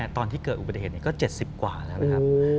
ตอนที่เกิดอุบัติเหตุก็๗๐กว่าแล้วนะครับ